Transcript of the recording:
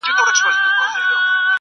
ایله عقل د کومول ورغی سرته.!